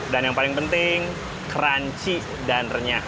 dan yang paling penting crunchy dan renyah